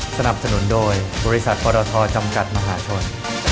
สนับสนุนโดยบริษัทปรทจำกัดมหาชน